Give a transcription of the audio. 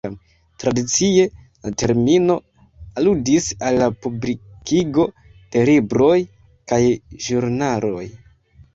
Tradicie la termino aludis al la publikigo de libroj kaj ĵurnaloj.